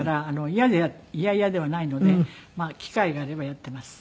嫌々ではないのでまあ機会があればやっています。